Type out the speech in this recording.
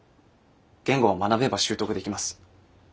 言語は学べば習得できます。